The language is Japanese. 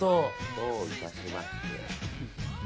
どういたしまして。